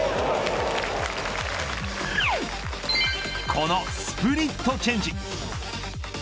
このスプリットチェンジ。